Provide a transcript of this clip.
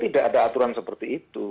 tidak ada aturan seperti itu